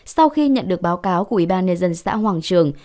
sau khi nhận được báo cáo của ủy ban nhân dân xã hoàng trường